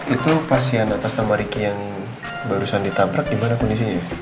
itu pasien atas tamariki yang barusan ditabrak gimana kondisinya